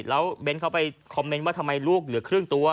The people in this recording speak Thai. แล้วเบ้นเขาไปคอมเมนต์ว่าทำไมลูกเหลือครึ่งตัว